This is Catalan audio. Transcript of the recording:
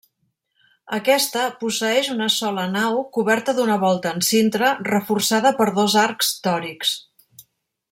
Aquesta posseeix una sola nau coberta d'una volta en cintra reforçada per dos arcs tòrics.